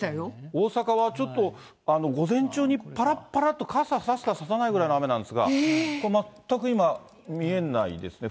大阪はちょっと午前中にぱらっぱらっと傘差すか差さないかぐらいの雨なんですが、全く今、見えないですね。